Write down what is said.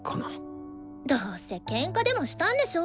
どうせケンカでもしたんでしょ。